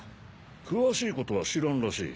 詳しいことは知らんらしい。